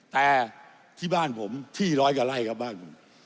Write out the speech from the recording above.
แต่ที่บ้านผมที่ร้อยกว่าไร่ครับบ้านผม